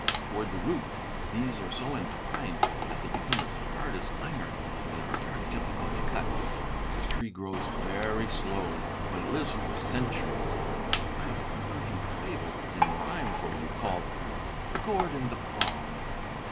Toward the root these are so entwined that they become as hard as iron and are very difficult to cut. The tree grows very slowly, but it lives for centuries. I have a Persian fable in rhyme for you, called "'THE GOURD AND THE PALM.